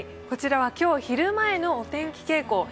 こちらは今日昼前のお天気傾向。